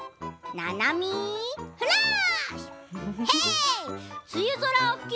「ななみフラッシュ」。